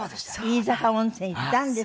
飯坂温泉行ったんです。